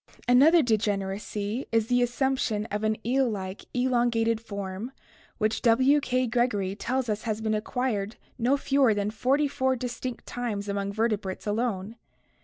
Another degeneracy is the assumption of an eel like, elongated form which W. K. Gregory tells us has been acquired no fewer than forty four distinct times among vertebrates alone.